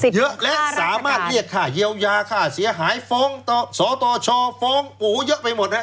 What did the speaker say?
เยอะและสามารถเรียกค่าเยียวยาค่าเสียหายฟ้องต่อสตชฟ้องโอ้เยอะไปหมดฮะ